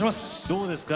どうですか？